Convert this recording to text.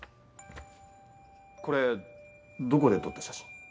これどこで撮った写真？